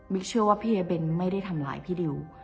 เชื่อว่าพี่เอเบนไม่ได้ทำร้ายพี่ดิว